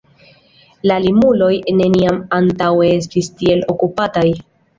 La Limuloj neniam antaŭe estis tiel okupataj.